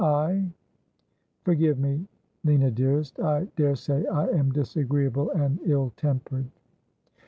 I Forgive me, Lina dearest. I daresay I am disagreeable and ill tempered.'